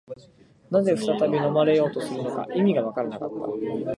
何故再び飲まれようとするのか、理由がわからなかった